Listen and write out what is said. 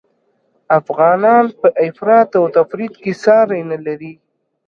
افغانان په افراط او تفریط کي ساری نلري